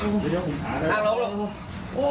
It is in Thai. นั่งลง